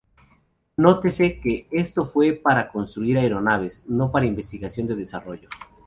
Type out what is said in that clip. Nótese que esto fue para construir aeronaves, no para investigación y desarrollo.